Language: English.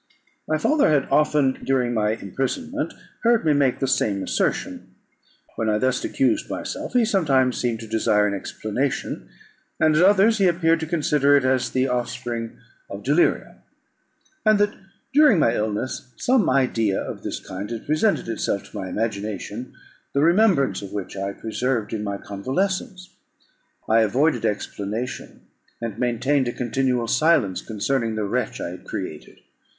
My father had often, during my imprisonment, heard me make the same assertion; when I thus accused myself, he sometimes seemed to desire an explanation, and at others he appeared to consider it as the offspring of delirium, and that, during my illness, some idea of this kind had presented itself to my imagination, the remembrance of which I preserved in my convalescence. I avoided explanation, and maintained a continual silence concerning the wretch I had created.